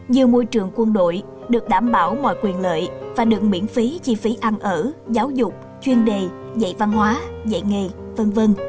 như môi trường quân đội được đảm bảo mọi quyền lợi và được miễn phí chi phí ăn ở giáo dục chuyên đề dạy văn hóa dạy nghề v v